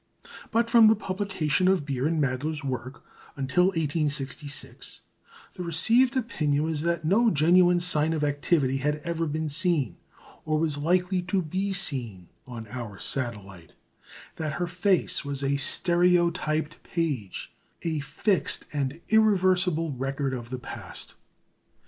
But from the publication of Beer and Mädler's work until 1866, the received opinion was that no genuine sign of activity had ever been seen, or was likely to be seen, on our satellite; that her face was a stereotyped page, a fixed and irrevisable record of the past.